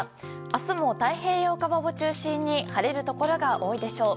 明日も太平洋側を中心に晴れるところが多いでしょう。